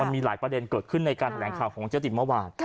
มีหลายประเด็นเกิดขึ้นในการแถลงข่าวของเจ๊ติมเมื่อวาน